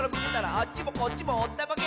「あっちもこっちもおったまげ！」